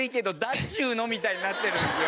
っちゅーの」みたいになってるんですよ。